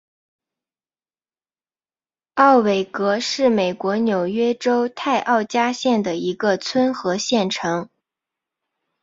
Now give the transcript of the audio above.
奥韦戈是美国纽约州泰奥加县的一个村和县城。